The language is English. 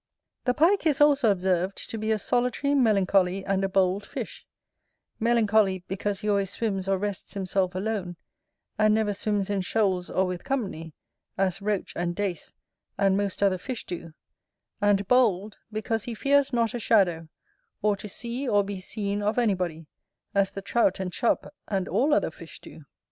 The Pike is also observed to be a solitary, melancholy, and a bold fish; melancholy, because he always swims or rests himself alone, and never swims in shoals or with company, as Roach and Dace, and most other fish do: and bold, because he fears not a shadow, or to see or be seen of anybody, as the Trout and Chub, and all other fish do.